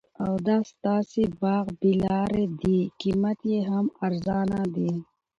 او دا ستاسي باغ بې لاري دي قیمت یې هم ارزانه دي